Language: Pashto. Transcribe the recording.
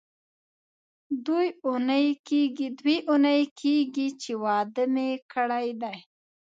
دوې اونۍ کېږي چې واده مې کړی دی.